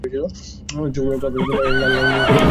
ঐতিহ্যগতভাবে ক্লাবের খেলোয়াড়েরা লাল-নীল পোশাক পরে থাকে।